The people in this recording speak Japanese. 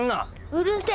うるせえ。